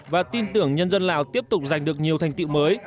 và tin tưởng nhân dân lào tiếp tục giành được nhiều thành tiệu mới